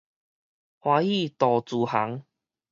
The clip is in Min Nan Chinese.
歡喜渡慈航